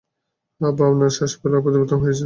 আব্বা আপনার শ্বাস ফেলা পরিবর্তন হয়ে যাচ্ছে কেন?